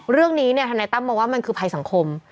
เรื่องนี้เนี่ยทนายตั้มมองว่ามันคือภัยสังคม